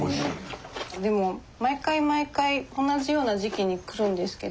でも毎回毎回同じような時期に来るんですけど。